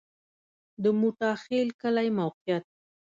د موټاخیل کلی موقعیت